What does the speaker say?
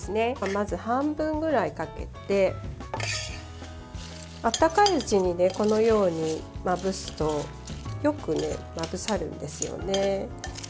まず半分ぐらいかけて温かいうちにこのようにまぶすとよくまぶさるんですよね。